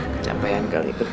kejam payan kali kerja